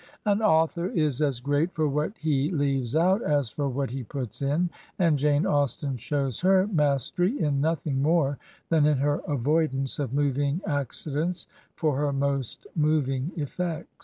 An author is as great for what he leaves out as for what he puts in; and Jane Austen shows her mastery in nothing more than in her avoidance of moving ac cidents for her most moving effects.